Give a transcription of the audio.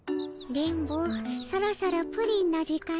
電ボそろそろプリンの時間じゃの。